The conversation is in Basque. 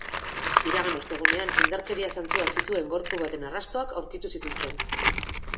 Iragan ostegunean, indarkeria zantzuak zituen gorpu baten arrastoak aurkitu zituzten.